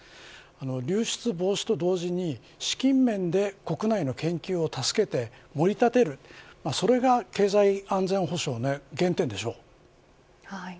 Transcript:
流出防止と同時に資金面で国内の研究を助けて盛り立てる、それが経済安全保障の原点でしょう。